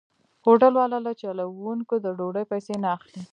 هوټل والا له چلوونکو د ډوډۍ پيسې نه اخلي.